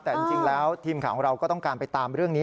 แต่จริงแล้วทีมข่าวของเราก็ต้องการไปตามเรื่องนี้